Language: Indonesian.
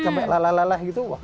sampai lelah leleh gitu